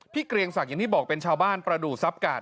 เกรียงศักดิ์อย่างที่บอกเป็นชาวบ้านประดูกซับกาศ